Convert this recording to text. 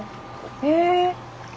へえ。